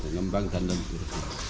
ngembang dan lentur